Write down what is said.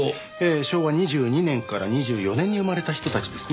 昭和２２年から２４年に生まれた人たちですね。